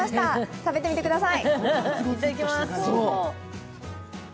食べてみてください。